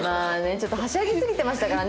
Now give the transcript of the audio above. ちょっとはしゃぎすぎてましたからね